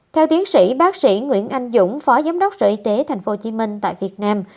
theo tiến sĩ bác sĩ nguyễn anh dũng phó giám đốc sở y tế tp hcm tại việt nam